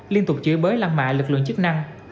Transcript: liên tục chỉ bới lan mạ lực lượng chức năng